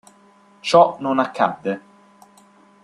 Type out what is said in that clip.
Ciò non accadde.